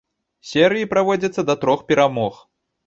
Серыі праводзяцца да трох перамог.